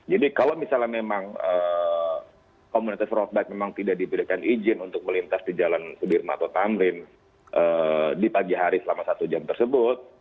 jadi kalau misalnya memang komunitas road bike memang tidak diberikan izin untuk melintas di jalan sudirma atau tamrin di pagi hari selama satu jam tersebut